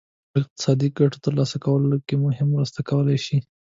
نورو اقتصادي ګټو ترلاسه کولو کې هم مرسته کولای شي.